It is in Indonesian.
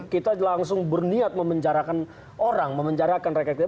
kita langsung berniat memenjarakan orang memenjarakan rakyat kita